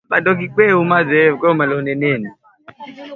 Siwe mpweke mi bado niko.